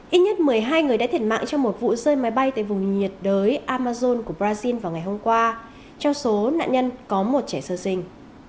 ít nhất một mươi hai người đã thiệt mạng trong một vụ rơi máy bay tại vùng nhiệt đới amazon của brazil vào ngày hôm qua trong số nạn nhân có một trẻ sơ sinh